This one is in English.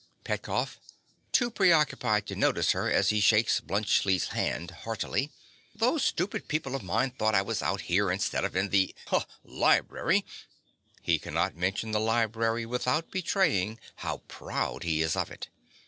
_) PETKOFF. (too preoccupied to notice her as he shakes Bluntschli's hand heartily). Those stupid people of mine thought I was out here, instead of in the—haw!—library. (_He cannot mention the library without betraying how proud he is of it.